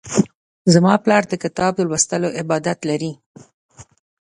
زما پلار د کتاب د لوستلو عادت لري.